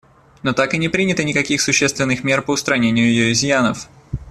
Но так и не принято никаких существенных мер по устранению ее изъянов.